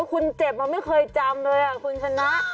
คุณเจ็บมันไม่เคยจำเลยคุณชนะ